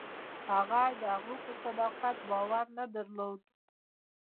هغه د هغوی په صداقت باور نه درلود.